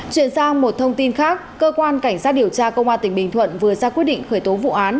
chuyển sang một thông tin khác cơ quan cảnh sát điều tra công an tỉnh bình thuận vừa ra quyết định khởi tố vụ án